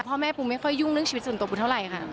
พ่อแม่ปูไม่ค่อยยุ่งเรื่องชีวิตส่วนตัวปูเท่าไหร่ค่ะ